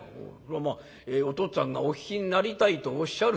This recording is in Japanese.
「まあお父っつぁんがお聞きになりたいとおっしゃる。